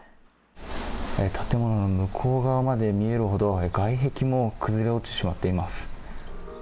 建物の向こう側まで見えるほど外壁も崩れ落ちてしまっています。